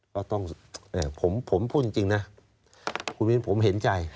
ก็ต้องผมพูดจริงนะคุณวินผมเห็นใจ